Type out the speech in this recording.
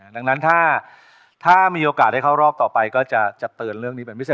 ดังนั้นถ้ามีโอกาสได้เข้ารอบต่อไปก็จะเตือนเรื่องนี้เป็นพิเศษ